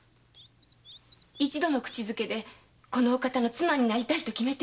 一度の口づけで“このお方の妻になりたい”と決めては。